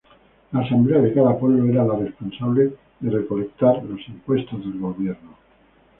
La asamblea de cada pueblo era la responsable de recolectar los impuestos del gobierno.